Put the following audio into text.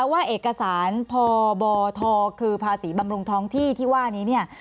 ว่าเอกสารพบทคือภาษีบำรุงท้องที่ที่ว่านี้เนี่ย